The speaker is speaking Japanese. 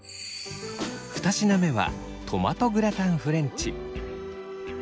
二品目はトマトグラタンフレンチ。